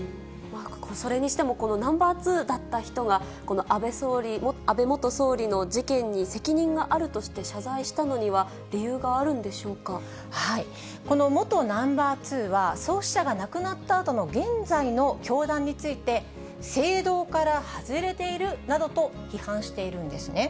それにしても、このナンバー２だった人が、安倍元総理の事件に責任があるとして謝罪したのには、理由があるこの元ナンバー２は、創始者が亡くなったあとの現在の教団について、正道から外れているなどと批判しているんですね。